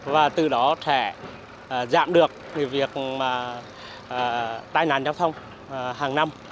và từ đó sẽ giảm được việc tai nạn giao thông hàng năm